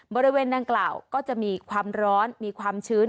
บริเวณดังกล่าวก็จะมีความร้อนมีความชื้น